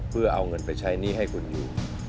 เพื่อเอาเงินไปใช้หนี้ให้คุณอยู่